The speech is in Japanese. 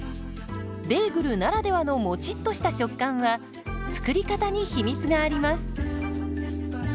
ベーグルならではのもちっとした食感は作り方に秘密があります。